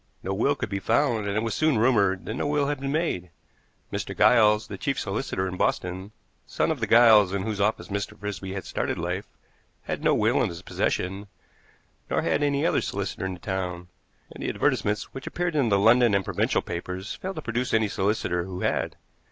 No will could be found, and it was soon rumored that no will had been made. Mr. Giles, the chief solicitor in Boston, son of the Giles in whose office Mr. Frisby had started life, had no will in his possession, nor had any other solicitor in the town; and the advertisements which appeared in the London and provincial papers failed to produce any solicitor who had.